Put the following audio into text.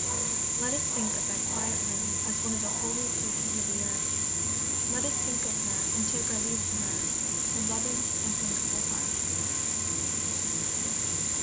Let us think of that quiet room as one of the holy places of the earth; let us think of her, and take our leave of her, with loving and thankful hearts.